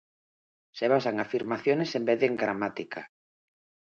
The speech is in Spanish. Se basa en afirmaciones en vez de en gramática.